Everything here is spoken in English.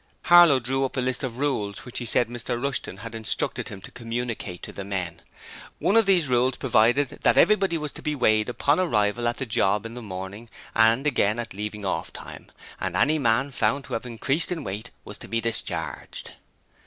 Harlow drew up a list of rules which he said Mr Rushton had instructed him to communicate to the men. One of these rules provided that everybody was to be weighed upon arrival at the job in the morning and again at leaving off time: any man found to have increased in weight was to be discharged.